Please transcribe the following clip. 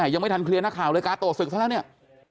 ยังไม่ทันเคลียร์นักข่าวเลยกาโตศึกซะแล้วเนี่ย